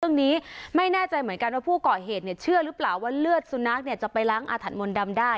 เรื่องนี้ไม่แน่ใจเหมือนกันว่าผู้ก่อเหตุเนี่ยเชื่อหรือเปล่าว่าเลือดสุนัขเนี่ยจะไปล้างอาถรรพมนต์ดำได้